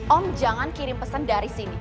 om jangan kirim pesan dari sini